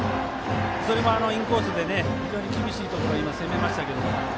それもインコースで非常に厳しいところを今、攻めましたけど。